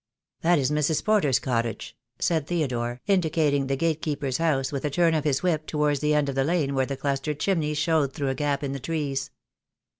"That is Mrs. Porter's cottage," said Theodore, in dicating the gate keeper's house with a turn of his whip towards the end of the lane where the clustered chimneys showed through a gap in the trees.